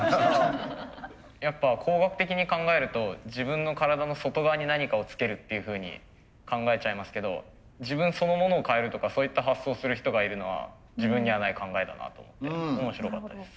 やっぱ工学的に考えると自分の体の外側に何かをつけるっていうふうに考えちゃいますけど自分そのものを変えるとかそういった発想する人がいるのは自分にはない考えだなと思って面白かったです。